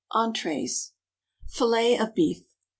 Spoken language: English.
ENTRÉES. _Fillet of Beef.